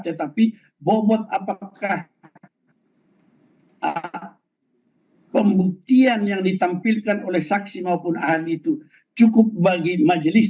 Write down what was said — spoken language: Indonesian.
tetapi bobot apakah pembuktian yang ditampilkan oleh saksi maupun ahli itu cukup bagi majelis